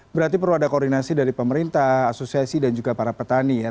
berarti perlu ada koordinasi dari pemerintah asosiasi dan juga para petani ya